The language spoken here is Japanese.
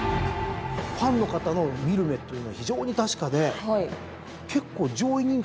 ファンの方の見る目というのは非常に確かで結構上位人気の馬。